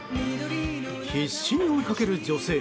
必死に追いかける女性。